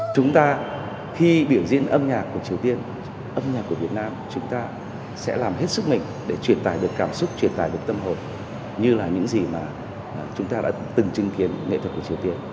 chúng ta khi biểu diễn âm nhạc của triều tiên âm nhạc của việt nam chúng ta sẽ làm hết sức mình để truyền tải được cảm xúc truyền tải được tâm hồn như là những gì mà chúng ta đã từng chứng kiến nghệ thuật của triều tiên